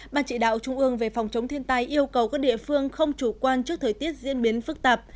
ban chỉ đạo trung ương về phòng chống thiên tai yêu cầu các địa phương không chủ quan trước thời tiết diễn biến phức tạp